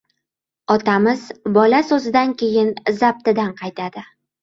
Otamiz «bola» so‘zidan keyin zabtidan qaytadi.